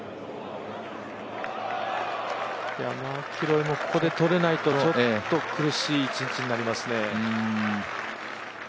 マキロイもここでとれないとちょっと苦しい一日になります。